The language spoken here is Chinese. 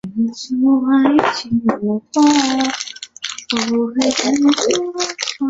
扎捷伊哈农村居民点是俄罗斯联邦伊万诺沃州普切日区所属的一个农村居民点。